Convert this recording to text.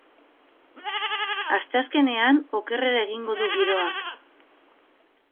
Asteazkenean, okerrera egingo du giroak.